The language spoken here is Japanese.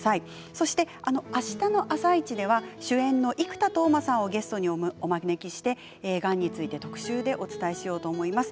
そしてあしたの「あさイチ」では主演の生田斗真さんをゲストにお招きしてがんについて特集でお伝えしようと思います。